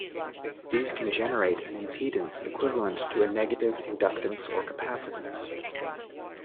These can generate an impedance equivalent to a negative inductance or capacitance.